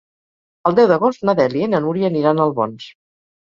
El deu d'agost na Dèlia i na Núria aniran a Albons.